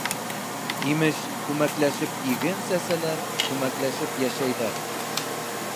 Имеш, күмәкләшеп иген сәсәләр, күмәкләшеп йәшәйҙәр.